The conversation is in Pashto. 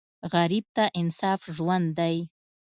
غریب ته انصاف ژوند دی